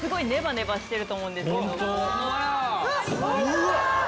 うわ！